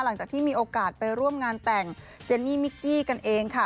หลังจากที่มีโอกาสไปร่วมงานแต่งเจนี่มิกกี้กันเองค่ะ